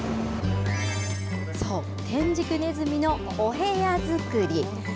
そう、テンジクネズミのお部屋作り。